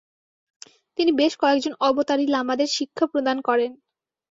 তিনি বেশ কয়েকজন অবতারী লামাদের শিক্ষাপ্রদান করেন।